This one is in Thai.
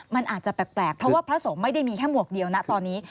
มันอาจจะแปลกเพราะว่าพระสงฆ์ไม่ได้มีแค่หมวกเดียวนะตอนนี้